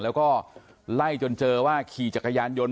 แล้วก็ไล่จนเจอว่าขี่จักรยานยนต์